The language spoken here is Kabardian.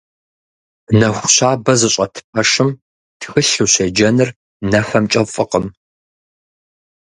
Нэху щабэ зыщӏэт пэшым тхылъ ущеджэныр нэхэмкӏэ фӏыкъым.